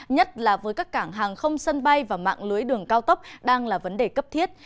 nhất là với các cảng hàng không sân bay và mạng lưới đường cao tốc đang là vấn đề cấp thiết